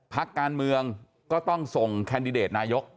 พักการเมืองก็ต้องส่งแคนดิเดตนายก